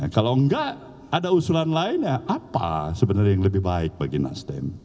kalau enggak ada usulan lain ya apa sebenarnya yang lebih baik bagi nasdem